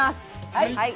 はい。